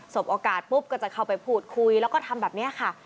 โอกาสปุ๊บก็จะเข้าไปพูดคุยแล้วก็ทำแบบนี้ค่ะ